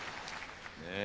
ねえ。